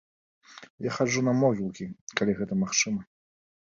Я хаджу на могілкі, калі гэта магчыма.